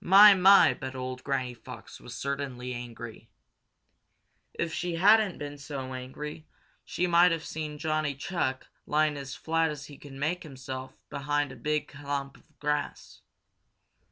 My, my, but old Granny Fox certainly was angry! If she hadn't been so angry she might have seen Johnny Chuck lying as flat as he could make himself behind a big clump of grass.